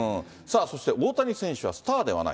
そして大谷選手はスターではない。